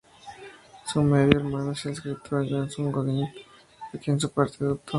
Su medio-hermano es el escritor Jason Goodwin, a quien su padre adoptó.